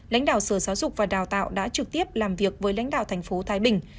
lãnh đạo sở giáo dục và đào tạo đã trực tiếp làm việc với lãnh đạo tp thái bình